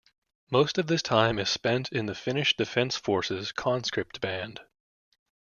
Most of this time is spent in the Finnish Defence Forces Conscript Band.